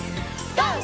ＧＯ！